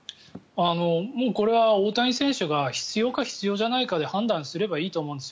これは大谷選手が必要か必要じゃないかで判断すればいいと思うんです。